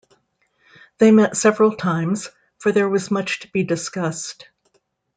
They met several times, for there was much to be discussed.